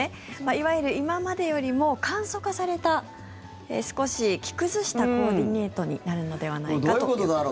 いわゆる今までよりも簡素化された少し着崩したコーディネートになるのではないかということです。